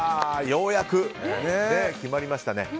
ようやく決まりましたね。